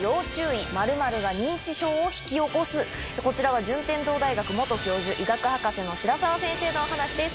こちらは順天堂大学教授医学博士の白澤先生のお話です